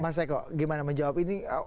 mas eko gimana menjawab ini